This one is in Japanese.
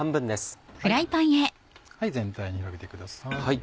全体に広げてください。